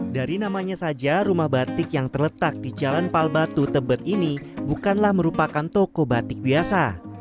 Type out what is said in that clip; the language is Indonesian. dari namanya saja rumah batik yang terletak di jalan pal batu tebet ini bukanlah merupakan toko batik biasa